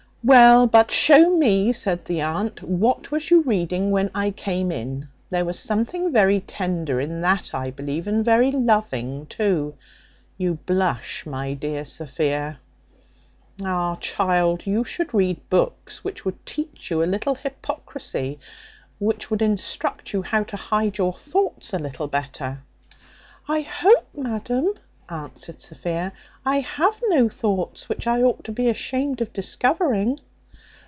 "Well, but show me," said the aunt, "what was you reading when I came in; there was something very tender in that, I believe, and very loving too. You blush, my dear Sophia. Ah! child, you should read books which would teach you a little hypocrisy, which would instruct you how to hide your thoughts a little better." "I hope, madam," answered Sophia, "I have no thoughts which I ought to be ashamed of discovering."